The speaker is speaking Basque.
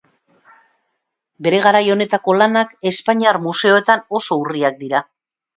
Bere garai honetako lanak, espainiar museoetan oso urriak dira.